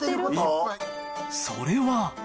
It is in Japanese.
それは。